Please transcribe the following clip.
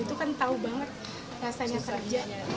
itu kan tahu banget rasanya kerjanya